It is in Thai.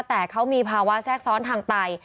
แต่เขามีภาวะแทรกซ้อนทางไต